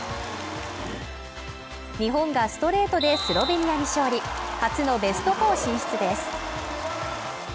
日本がストレートでスロベニアに勝利初のベスト４進出です。